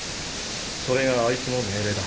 それがあいつの命令だ。